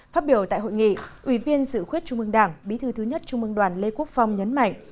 phát biểu tại hội nghị ủy viên dự khuyết trung ương đảng bí thư thứ nhất trung ương đoàn lê quốc phong nhấn mạnh